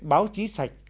báo chí sạch